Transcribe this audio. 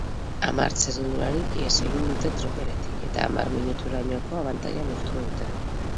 Hamar txirrindularik ihes egin dute tropeletik, eta hamar minuturainoko abantaila lortu dute.